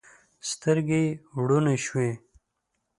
سترګې یې وروڼې شوې.